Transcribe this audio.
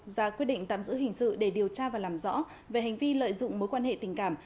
ra quyết định tạm giữ hình sự để điều tra và làm rõ về hành vi lợi dụng mối quan hệ tình cảm